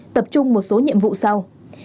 tập trung một số nhiệm vụ sau